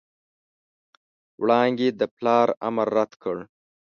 وړانګې د پلار امر رد کړ.